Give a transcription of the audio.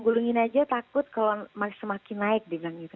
gulungin aja takut kalau semakin naik dibilang gitu